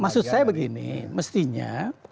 maksud saya begini mestinya